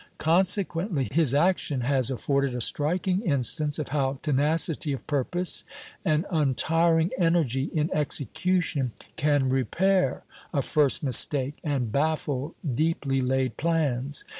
Consequently, his action has afforded a striking instance of how tenacity of purpose and untiring energy in execution can repair a first mistake and baffle deeply laid plans.